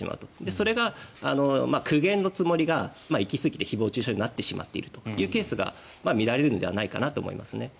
それが苦言のつもりが行きすぎて誹謗・中傷になってしまっているというケースが見られるのではないかなと思いますね。